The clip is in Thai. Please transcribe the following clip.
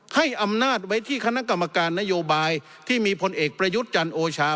ให้อำนาจไว้ที่คณะกรรมการนโยบายที่มีพลเอกประยุทธ์จันทร์โอชา